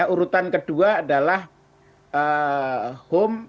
urutan kedua adalah home